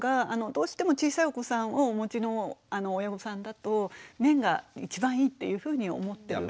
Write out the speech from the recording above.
どうしても小さいお子さんをお持ちの親御さんだと綿が一番いいっていうふうに思ってる。